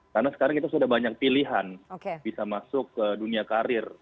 karena sekarang itu sudah banyak pilihan bisa masuk ke dunia karir